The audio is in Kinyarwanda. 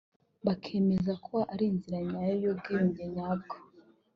bakanemeza ko ari nzira nyayo y’ubwiyunge nyabwo